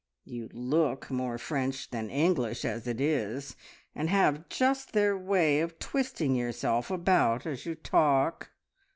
You look more French than English, as it is, and have just their way of twisting yourself about as you talk."